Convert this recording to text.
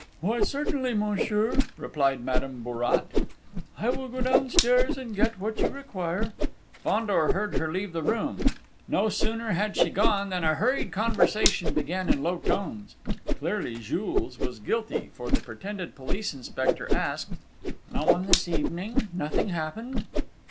"Why, certainly, monsieur," replied Madame Bourrat. "I will go downstairs and get what you require." Fandor heard her leave the room. No sooner had she gone than a hurried conversation began in low tones. Clearly Jules was guilty, for the pretended police inspector asked: "No one this evening? Nothing happened?"